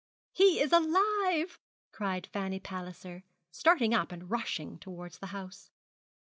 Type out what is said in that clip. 'He is alive!' cried Fanny Palliser, starting up and rushing towards the house.